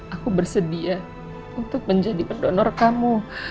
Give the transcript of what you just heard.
aku bersedia untuk menjadi pendonor kamu